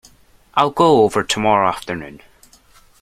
I'll go over tomorrow afternoon.